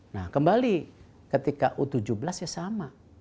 nah kembali ketika u tujuh belas ya sama